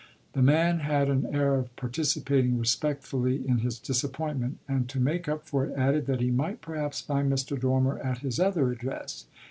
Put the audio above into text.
The man had an air of participating respectfully in his disappointment and, to make up for it, added that he might perhaps find Mr. Dormer at his other address.